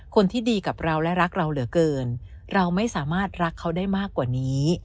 คนที่ดีกับเราและรักเราเหลือเกินเราไม่สามารถรักเขาได้มากกว่านี้